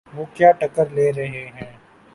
وہ کیا ٹکر لے رہے ہیں؟